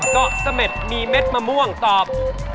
เกาะเสม็ดมีเม็ดมะม่วงตอบ